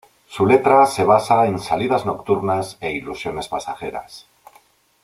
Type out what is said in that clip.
Su letra se basa en salidas nocturnas e ilusiones pasajeras.